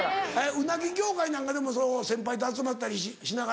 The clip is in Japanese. うなぎ業界なんかでも先輩と集まったりしながら。